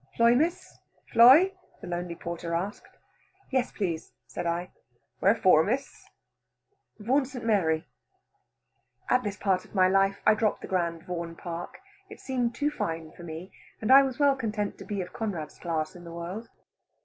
"Fly, Miss, fly?" the lonely porter asked. "Yes, please," said I. "Where for, Miss?" "Vaughan St. Mary." At this part of my life, I dropped the grand "Vaughan Park;" it seemed too fine for me, and I was well content to be of Conrad's class in the world.